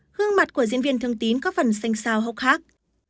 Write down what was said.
hương mặt của diễn viên thương tín có phần xanh sao hốc hắc